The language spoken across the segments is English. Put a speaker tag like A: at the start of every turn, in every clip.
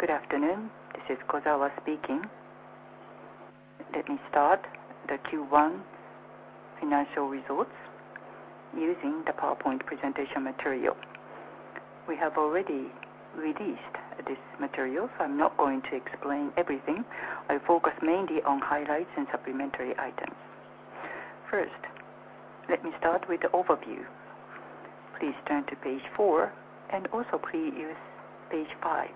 A: Good afternoon. This is Kozawa speaking. Let me start the Q1 financial results using the PowerPoint presentation material. We have already released this material, so I'm not going to explain everything. I focus mainly on highlights and supplementary items. First, let me start with the overview. Please turn to page four, and also please use page five.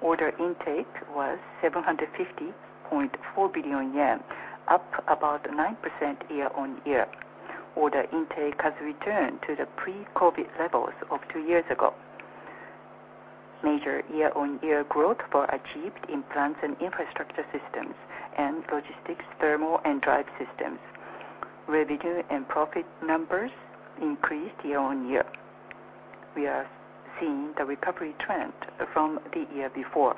A: Order intake was 750.4 billion yen, up about 9% year-on-year. Order intake has returned to the pre-COVID-19 levels of two years ago. Major year-on-year growth were achieved in Plants & Infrastructure Systems and Logistics, Thermal & Drive Systems. Revenue and profit numbers increased year-on-year. We are seeing the recovery trend from the year before.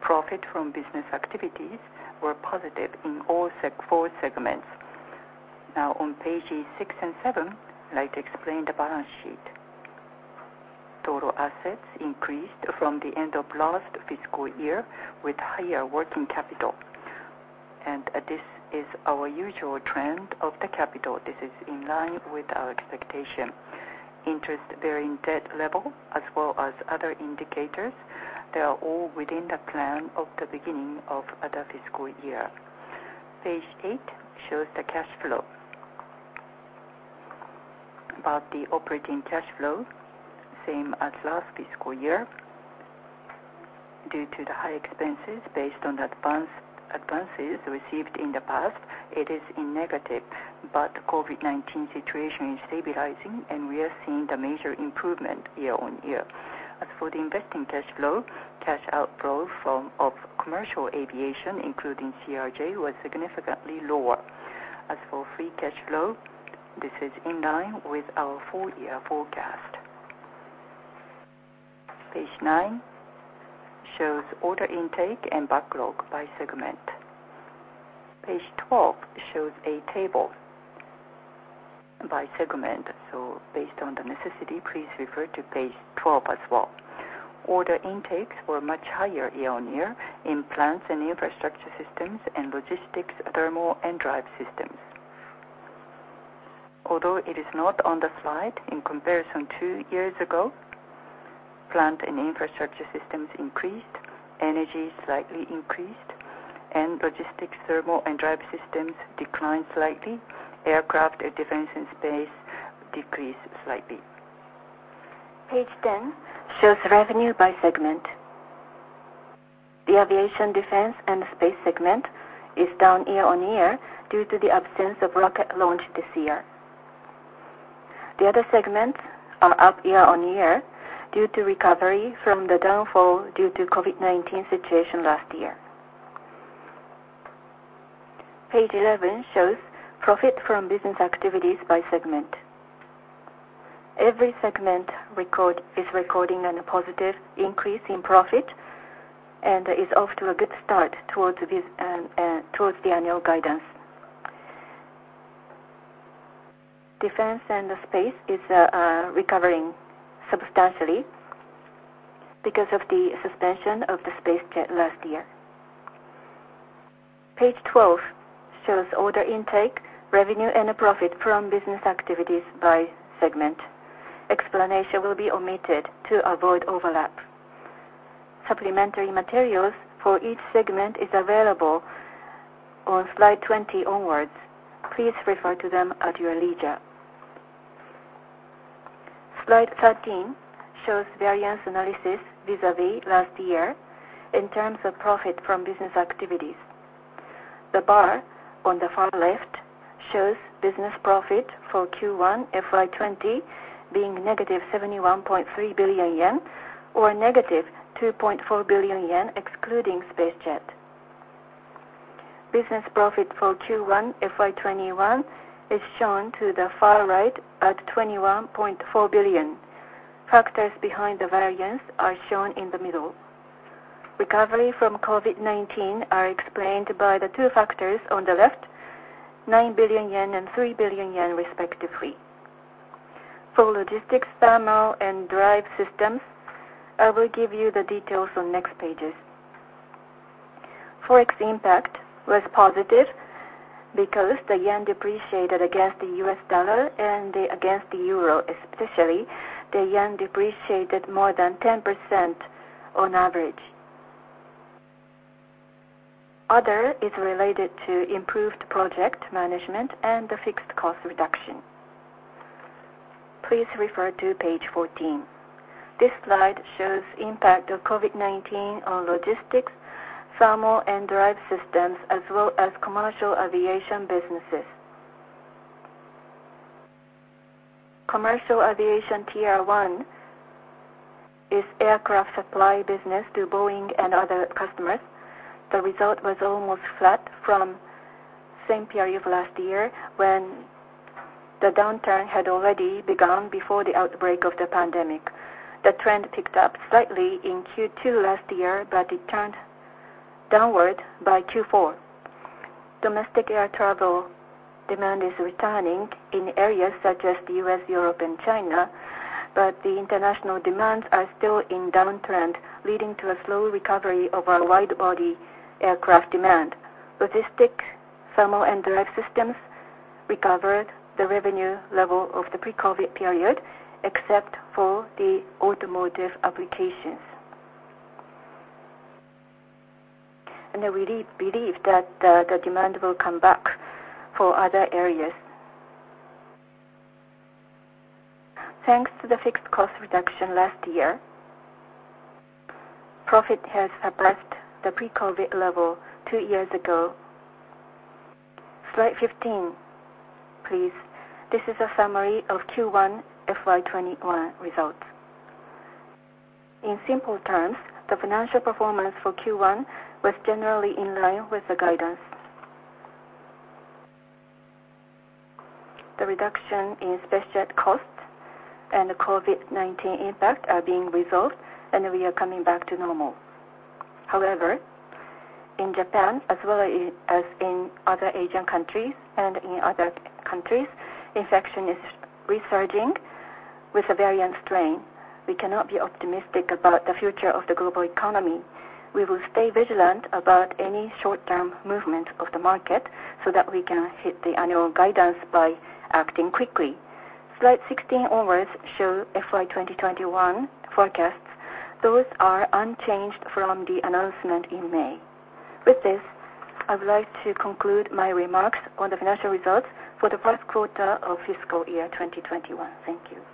A: Profit from business activities were positive in all four segments. Now, on pages siix and seven, I'd like to explain the balance sheet. Total assets increased from the end of last fiscal year with higher working capital. This is our usual trend of the capital. This is in line with our expectation. Interest bearing debt level as well as other indicators, they are all within the plan of the beginning of the fiscal year. Page eight shows the cash flow. The operating cash flow, same as last fiscal year. Due to the high expenses based on advances received in the past, it is negative, but COVID-19 situation is stabilizing, and we are seeing the major improvement year on year. The investing cash flow, cash outflow of commercial aviation, including CRJ, was significantly lower. Free cash flow, this is in line with our full year forecast. Page nine shows order intake and backlog by segment. Page 12 shows a table by segment. Based on the necessity, please refer to page 12 as well. Order intakes were much higher year-on-year in Plants & Infrastructure Systems and Logistics, Thermal & Drive Systems. Although it is not on the slide, in comparison to two years ago, Plants & Infrastructure Systems increased, Energy slightly increased, and Logistics, Thermal & Drive Systems declined slightly. Aircraft, Defense & Space decreased slightly. Page 10 shows revenue by segment. The Aircraft, Defense & Space segment is down year-on-year due to the absence of rocket launch this year. The other segments are up year-on-year due to recovery from the downfall due to COVID-19 situation last year. Page 11 shows profit from business activities by segment. Every segment is recording a positive increase in profit and is off to a good start towards the annual guidance. Defense and Space is recovering substantially because of the suspension of the SpaceJet last year. Page 12 shows order intake, revenue, and profit from business activities by segment. Explanation will be omitted to avoid overlap. Supplementary materials for each segment is available on slide 20 onwards. Please refer to them at your leisure. Slide 13 shows variance analysis vis-a-vis last year in terms of profit from business activities. The bar on the far left shows business profit for Q1 FY 2020 being negative 71.3 billion yen or negative 2.4 billion yen excluding SpaceJet. Business profit for Q1 FY 2021 is shown to the far right at 21.4 billion. Factors behind the variance are shown in the middle. Recovery from COVID-19 are explained by the two factors on the left, 9 billion yen and 3 billion yen respectively. For Logistics, Thermal & Drive Systems, I will give you the details on the next pages. Forex impact was positive because the yen depreciated against the U.S. dollar and against the euro. Especially, the yen depreciated more than 10% on average. Other is related to improved project management and the fixed cost reduction. Please refer to page 14. This slide shows impact of COVID-19 on Logistics, Thermal & Drive Systems, as well as commercial aviation businesses. Commercial aviation Tier 1 is aircraft supply business to Boeing and other customers. The result was almost flat from same period of last year when the downturn had already begun before the outbreak of the pandemic. The trend picked up slightly in Q2 last year, but it turned downward by Q4. Domestic air travel demand is returning in areas such as the U.S., Europe, and China, the international demands are still in downtrend, leading to a slow recovery of our wide-body aircraft demand. Logistics, Thermal & Drive Systems recovered the revenue level of the pre-COVID-19 period, except for the automotive applications. We believe that the demand will come back for other areas. Thanks to the fixed cost reduction last year, profit has surpassed the pre-COVID-19 level two years ago. Slide 15, please. This is a summary of Q1 FY 2021 results. In simple terms, the financial performance for Q1 was generally in line with the guidance. The reduction in SpaceJet costs and the COVID-19 impact are being resolved, we are coming back to normal. However, in Japan as well as in other Asian countries and in other countries, infection is resurging with a variant strain. We cannot be optimistic about the future of the global economy. We will stay vigilant about any short-term movement of the market so that we can hit the annual guidance by acting quickly. Slides 16 onwards show FY 2021 forecasts. Those are unchanged from the announcement in May. With this, I would like to conclude my remarks on the financial results for the first quarter of fiscal year 2021. Thank you.